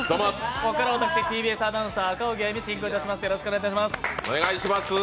ここから私、ＴＢＳアナウンサー、赤荻歩が進行いたします、よろしくお願いします。